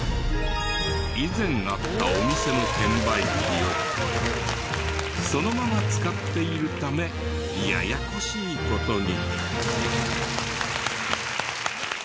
以前あったお店の券売機をそのまま使っているためややこしい事に。